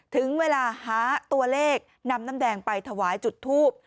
ถึงเวลาหาตัวเลขนำน้ำแดงไปถวายจุดทูบ